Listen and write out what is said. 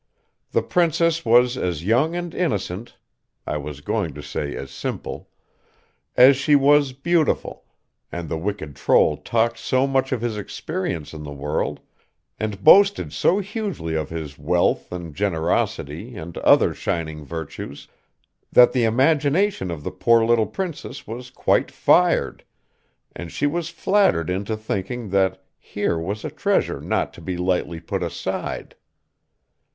The princess was as young and innocent I was going to say as simple as she was beautiful, and the wicked troll talked so much of his experience in the world, and boasted so hugely of his wealth and generosity and other shining virtues, that the imagination of the poor little princess was quite fired, and she was flattered into thinking that here was a treasure not to be lightly put aside.